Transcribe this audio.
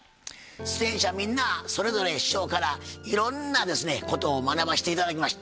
出演者みんなそれぞれ師匠からいろんなですねことを学ばして頂きました。